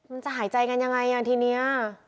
มันจะหายใจกันยังไงอ่ะทีนี้